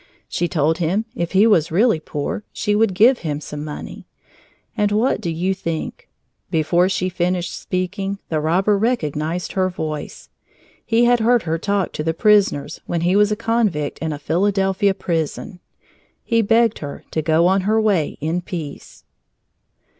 She told him if he was really poor, she would give him some money. And what do you think? Before she finished speaking, the robber recognized her voice. He had heard her talk to the prisoners when he was a convict in a Philadelphia prison! He begged her to go on her way in peace.